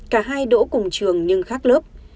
cả hai đỗ cùng trường nhưng khác lớp